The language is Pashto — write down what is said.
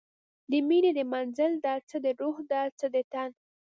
د میینې د منزل ده، څه د روح ده څه د تن